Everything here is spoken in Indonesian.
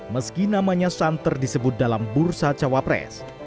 meski namanya santer disebut dalam bursa cawapres